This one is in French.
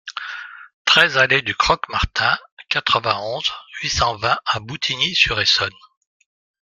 treize allée du Croc-Martin, quatre-vingt-onze, huit cent vingt à Boutigny-sur-Essonne